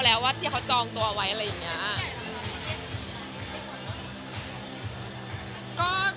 แล้วว่าที่เขาจองตัวไว้อะไรอย่างนี้